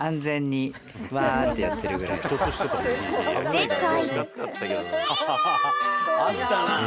［前回］